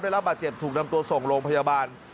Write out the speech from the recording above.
ได้รับบาดเจ็บถูกนำตัวส่งโรงพยาบาล